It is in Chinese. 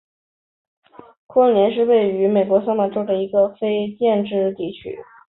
昆林是位于美国亚利桑那州皮马县的一个非建制地区。